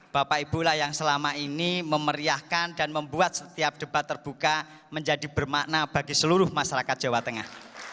bapak ibulah yang selama ini memeriahkan dan membuat setiap debat terbuka menjadi bermakna bagi seluruh masyarakat jawa tengah